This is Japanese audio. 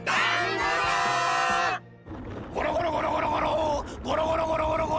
ゴロゴロゴロゴロゴロ！